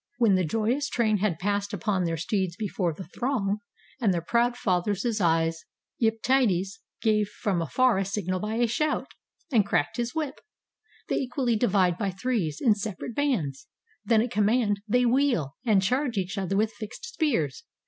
When the joyous train Had passed upon their steeds before the throng, And their proud fathers' eyes, Epytides Gave from afar a signal by a shout, And cracked his whip. They equally divide By threes, in separate bands. Then at command They wheel, and charge each other with fixed spears.